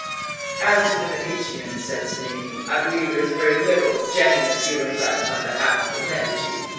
"As to the Mediceans," said Cennini, "I believe there is very little genuine feeling left on behalf of the Medici.